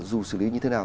dù xử lý như thế nào